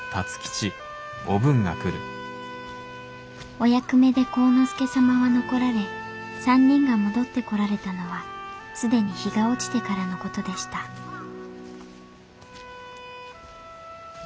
お役目で晃之助様は残られ３人が戻ってこられたのはすでに日が落ちてからの事でした戻るのか。